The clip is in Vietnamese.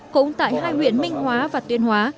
cũng tại hai huyện minh hóa và tuyên hóa